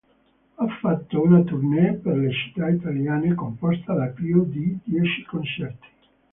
Ha fatto una tournée per le città italiane, composta da più di dieci concerti.